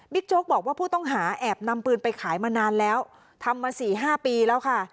โจ๊กบอกว่าผู้ต้องหาแอบนำปืนไปขายมานานแล้วทำมา๔๕ปีแล้วค่ะ